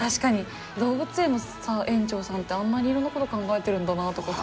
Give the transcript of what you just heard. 動物園の園長さんってあんなにいろんなこと考えてるんだなとかさ。